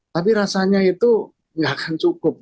tapi rasanya itu nggak akan cukup